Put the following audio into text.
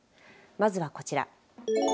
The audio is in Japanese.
まずは、こちら。